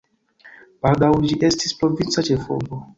Baldaŭ ĝi estis provinca ĉefurbo.